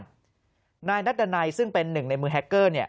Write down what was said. ในบ้านนายนัดดันัยซึ่งเป็นหนึ่งในมือแฮ็กเกอร์เนี่ย